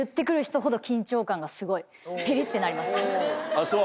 あっそう。